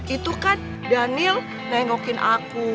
itu kan daniel nengokin aku